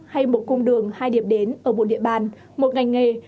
hay một cung đường hai điểm đến ở một địa bàn một ngành nghề